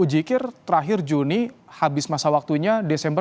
uji kir terakhir juni habis masa waktunya desember dua ribu dua puluh tiga